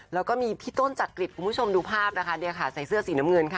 แล้วก็มีพี่ต้นจักริจคุณผู้ชมดูภาพนะคะเนี่ยค่ะใส่เสื้อสีน้ำเงินค่ะ